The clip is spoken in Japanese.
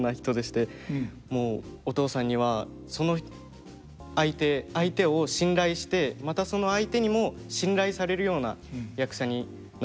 もうお父さんにはその相手相手を信頼してまたその相手にも信頼されるような役者になれと。